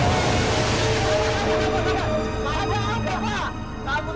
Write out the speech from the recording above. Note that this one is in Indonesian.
suara besok betul orang ia memiliki fark hidup